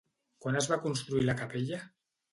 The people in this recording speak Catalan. Quan es va construir la capella?